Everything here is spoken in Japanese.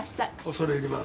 恐れ入ります。